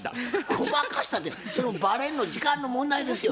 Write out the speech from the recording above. ごまかしたってそれバレんの時間の問題ですよ。